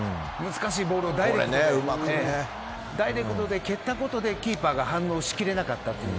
難しいボールをダイレクトで蹴ったことでキーパーが反応しきれなかったという。